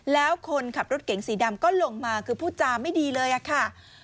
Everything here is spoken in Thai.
แล้วคนขับรถเก๋งสีดำก็ลงมาคือพูดจาไม่ดีเลยค่ะ